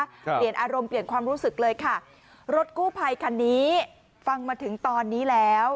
เปลี่ยนอารมณ์เปลี่ยนความรู้สึกเลยค่ะรถกู้ภัยคันนี้ฟังมาถึงตอนนี้แล้ว